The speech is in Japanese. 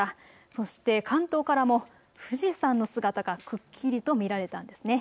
そして関東からも富士山の姿がくっきりと見られたんですね。